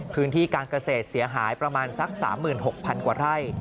พื้นที่การเกษตรเสียหายประมาณสัก๓๖๐๐๐กว่าไร่